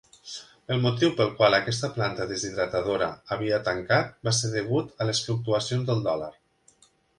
El motiu pel qual aquesta planta deshidratadora havia tancat va ser degut a les fluctuacions del dòlar.